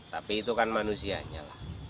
tapi itu kan manusianya